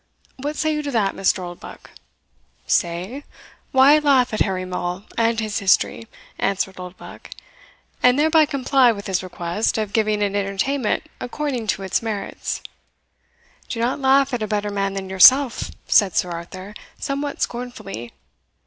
What say you to that, Mr. Oldbuck?" "Say? why, I laugh at Harry Maule and his history," answered Oldbuck, "and thereby comply with his request, of giving it entertainment according to its merits." "Do not laugh at a better man than yourself," said Sir Arthur, somewhat scornfully.